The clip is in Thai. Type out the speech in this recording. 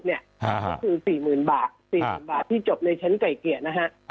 ก็คือสี่หมื่นบาทสี่สามบาทที่จบในชั้นไก่เกลี่ยนะฮะ